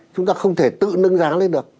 chúng ta không thể tự nâng giá lên được